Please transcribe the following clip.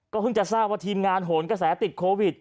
เพิ่งจะทราบว่าทีมงานโหนกระแสติดโควิด